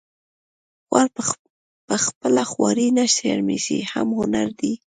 خوار په خپله خواري نه شرمیږي هم هنري دی